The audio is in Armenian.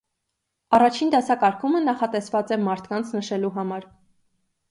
Առաջին դասակարգումը նախատեսված է մարդկանց նշելու համար։